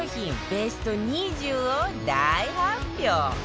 ベスト２０を大発表